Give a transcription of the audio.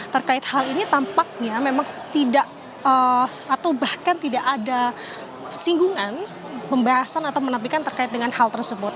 terkait hal ini tampaknya memang setidaknya atau bahkan tidak ada singgungan pembahasan atau menampikan terkait dengan hal tersebut